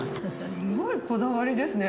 すごいこだわりですね。